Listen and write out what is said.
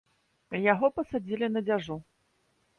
Яго пасадзілі на дзяжу.